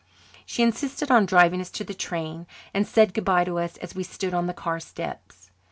She insisted on driving us to the train and said goodbye to us as we stood on the car steps.